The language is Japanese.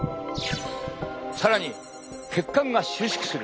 更に血管が収縮する。